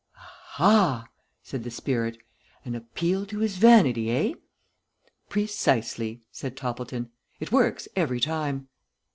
"Aha!" said the spirit. "An appeal to his vanity, eh?" "Precisely," said Toppleton. "It works every time."